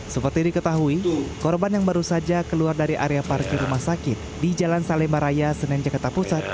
seperti diketahui korban yang baru saja keluar dari area parkir rumah sakit di jalan salem baraya senenjakarta pusat